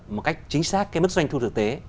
một cách chính xác cái mức doanh thu thực tế